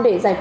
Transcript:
để giải pháp